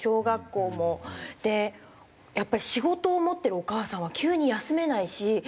やっぱり仕事を持ってるお母さんは急に休めないし。